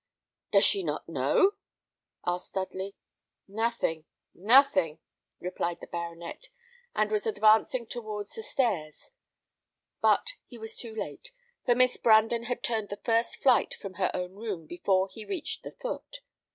"Does she not know?" asked Dudley. "Nothing, nothing," replied the baronet, and was advancing towards the stairs; but he was too late, for Miss Brandon had turned the first flight from her own room before he reached the foot.